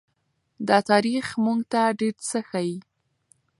دا تاریخ موږ ته ډېر څه ښيي.